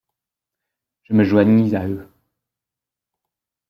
Je me joignis à eux.